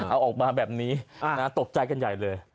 เอาออกมาแบบนี้ตกใจกันใหญ่เลย